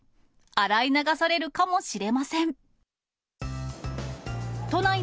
洗い流されるかもしれません。